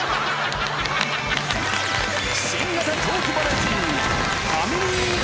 新型トークバラエティー！